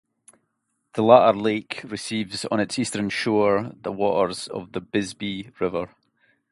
The latter lake receives on its eastern shore the waters of the Bisby River.